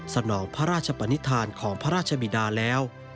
นองพระราชปนิษฐานของพระราชบิดาแล้ว